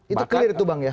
itu clear itu bang ya